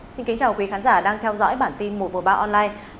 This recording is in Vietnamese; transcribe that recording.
xin kính chào quý khán giả đang theo dõi bản tin một v ba online